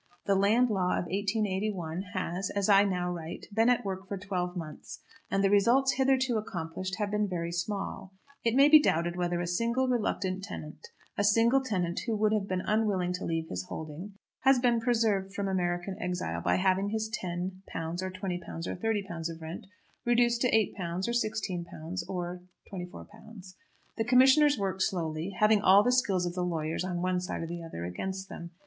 The Land Law of 1881 has, as I now write, been at work for twelve months, and the results hitherto accomplished have been very small. It may be doubted whether a single reluctant tenant, a single tenant who would have been unwilling to leave his holding, has been preserved from American exile by having his £10 or £20 or £30 of rent reduced to £8 or £16 or £24. The commissioners work slowly, having all the skill of the lawyers, on one side or the other, against them.